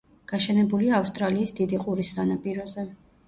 გაშენებულია ავსტრალიის დიდი ყურის სანაპიროზე.